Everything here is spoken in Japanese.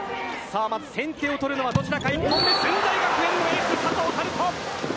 先手を取るのはどちらか１本目駿台学園のエース・佐藤遥斗。